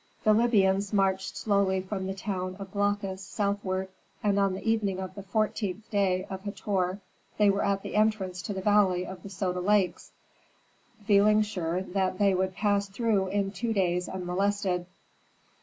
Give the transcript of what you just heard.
The Libyans marched slowly from the town of Glaucus southward, and on the evening of the fourteenth day of Hator, they were at the entrance to the valley of the Soda Lakes, feeling sure that they would pass through in two days unmolested.